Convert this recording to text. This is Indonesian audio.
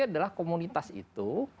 adalah komunitas itu